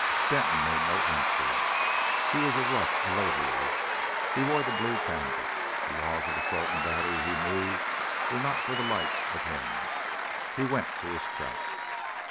Denton made no answer. He was a rough a labourer. He wore the blue canvas. The laws of assault and battery, he knew, were not for the likes of him. He went to his press.